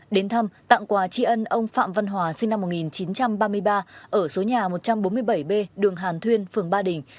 đến thăm tặng quà tri ân ông phạm văn hòa sinh năm một nghìn chín trăm ba mươi ba ở số nhà một trăm bốn mươi bảy b đường hàn thuyên phường ba đình